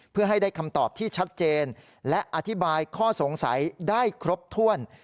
เพื่อให้ได้คำตอบที่ชัดเจนและอธิบายข้อสงสัยได้ครบถ้วน